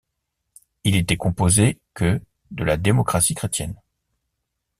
Il était composé que de la Démocratie chrétienne.